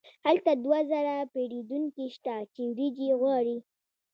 هلته دوه زره پیرودونکي شته چې وریجې غواړي.